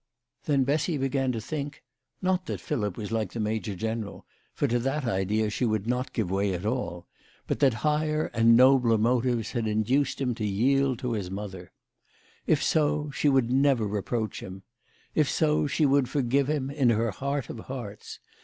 Then Bessy began to think not that Philip was like the major THE LADY OF LAUNAY. 173 general, for to that idea she would not give way at all but that higher and nobler motives had induced him to yield to his mother. If so she would never reproach him. If so she would forgive him in her heart of hearts.